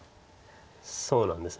そうなんです。